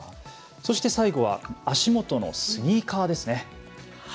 最後は足元のスニーカーですね。